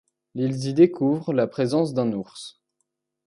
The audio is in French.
Ils y découvrent la présence d'un ours.